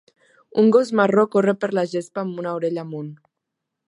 Un gos marró corre per la gespa amb una orella amunt.